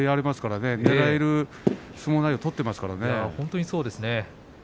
そういう相撲内容を取っていますからね。